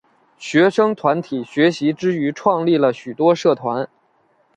学生团体学习之余创立了许多社团。